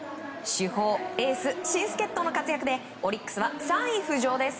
主砲、エース、新助っ人の活躍でオリックスは３位浮上です。